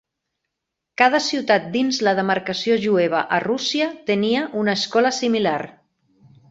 Cada ciutat dins la demarcació jueva a Rússia tenia una escola similar.